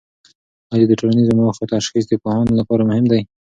آیا د ټولنیزو موخو تشخیص د پوهاند لپاره مهم دی؟